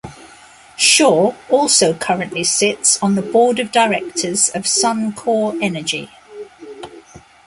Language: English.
Shaw also currently sits on the board of directors of Suncor Energy.